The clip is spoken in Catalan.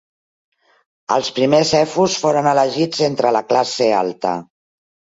Els primers èfors foren elegits entre la classe alta.